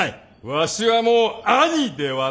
わしはもう兄ではない！